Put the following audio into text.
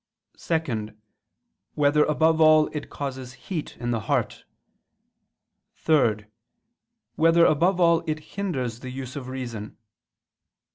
(2) Whether above all it causes heat in the heart? (3) Whether above all it hinders the use of reason?